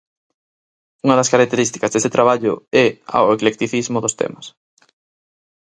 Unha das características deste traballo é a o eclecticismo dos temas.